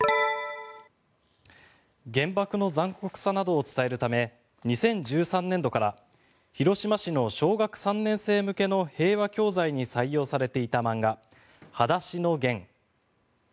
原爆の残酷さなどを伝えるため２０１３年度から広島市の小学３年生向けの平和教材に採用されていた漫画「はだしのゲン」。